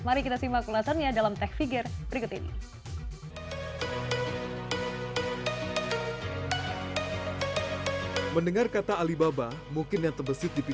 mari kita simak ulasannya dalam tech figure berikut ini